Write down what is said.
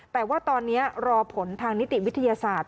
แต่ว่าตอนนี้รอผลทางนิติวิทยาศาสตร์